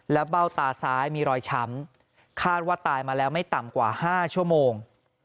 แล้วเบ้าตาซ้ายมีรอยช้ำคาดว่าตายมาแล้วไม่ต่ำกว่า๕ชั่วโมง